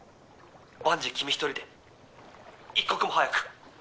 万事君１人で一刻も早く。